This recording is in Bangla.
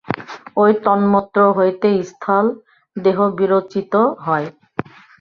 ঐ তন্মাত্র হইতে স্থূল দেহ বিরচিত হয়।